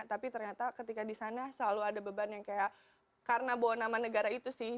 tapi ternyata ketika di sana selalu ada beban yang kayak karena bawa nama negara itu sih